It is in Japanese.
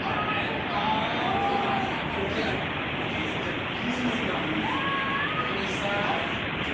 切り過ぎちゃったんだ。